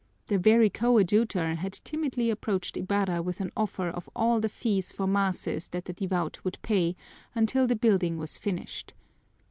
The very coadjutor had timidly approached Ibarra with an offer of all the fees for masses that the devout would pay until the building was finished.